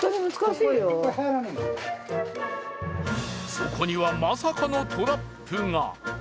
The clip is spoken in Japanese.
そこにはまさかのトラップが。